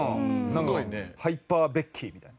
なんかハイパーベッキーみたいな。